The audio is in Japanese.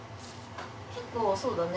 結構そうだね。